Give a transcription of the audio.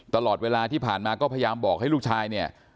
ตลอดเวลาที่ผ่านมาก็พยายามบอกให้ลูกชายเนี่ย